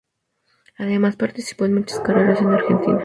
Además participó en muchas carreras en Argentina.